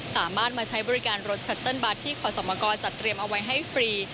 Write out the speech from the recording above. สามารถมาใช้บริการรถชัตเติ้ลบัตรที่ขอสมกรจัดเตรียมเอาไว้ให้ฟรี